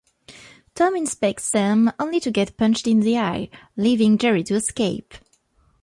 Tom inspects them only to get punched in the eye, leaving Jerry to escape.